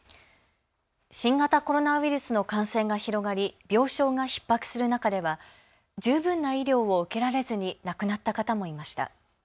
新型コロナウイルスの感染が広がり病床がひっ迫する中では十分な医療を受けられずに亡くなった方もいました。